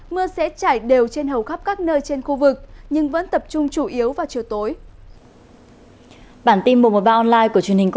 mưa sẽ trải đều trên hầu khắp các nơi trên khu vực nhưng vẫn tập trung chủ yếu vào chiều tối